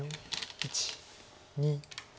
１２。